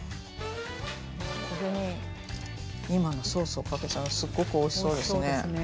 これに今のソースをかけたらすごくおいしそうですね。